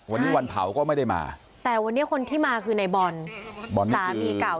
วันนี้วันเผาก็ไม่ได้มาแต่วันนี้คนที่มาคือในบอลบอลสามีเก่า